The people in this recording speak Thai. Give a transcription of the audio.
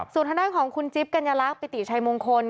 ส่วนทางด้านของคุณจิ๊บกัญลักษณ์ปิติชัยมงคล